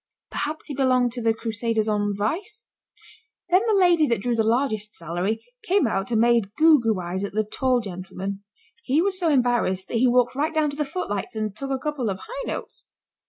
Perhaps he belonged to the crusaders on vice. Then the lady that drew the largest salary came out and made goo goo eyes at the tall gentleman. He was so embarrassed that he walked right down to the footlights and took a couple of high notes.